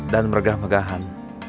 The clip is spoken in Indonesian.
dan mergah megahan